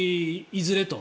いずれと。